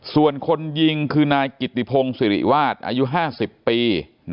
ส่วนคนยิงคือนายกิติพงศิริวาสอายุ๕๐ปี